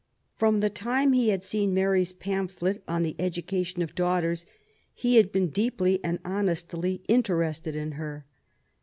From the time he had seen Mary's pamphlet on the Education of Daughters, he had been deeply and honestly interested in her.